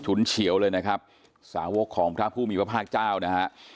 เฉียวเลยนะครับสาวกของพระผู้มีพระภาคเจ้านะฮะ